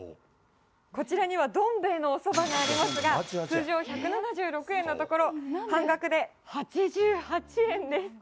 こちらには、どん兵衛のおそばがありますが、通常１７６円のところ、半額で８８円です。